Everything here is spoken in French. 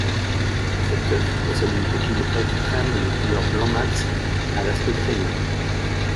Cet œuf possède une coquille externe de couleur blanc mat à l'aspect crayeux.